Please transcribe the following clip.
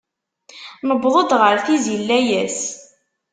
Newweḍ-d ɣer tizi n layas.